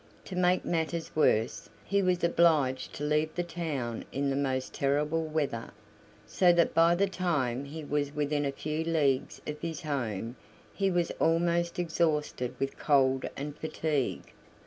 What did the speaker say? To make matters worse, he was obliged to leave the town in the most terrible weather, so that by the time he was within a few leagues of his home he was almost exhausted with cold and fatigue.